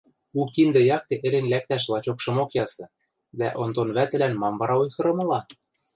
У киндӹ якте ӹлен лӓктӓш лачокшымок ясы, дӓ Онтон вӓтӹлӓн мам вара ойхырымыла?